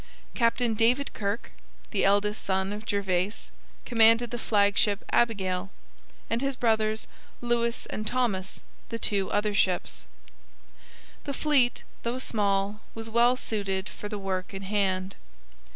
Captain David Kirke, the eldest son of Gervase, commanded the flagship Abigail, and his brothers, Lewis and Thomas, the other two ships. The fleet, though small, was well suited for the work in hand.